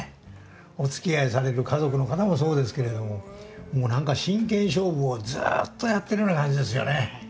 おつきあいされる家族の方もそうですけれども何か真剣勝負をずっとやってるような感じですよね。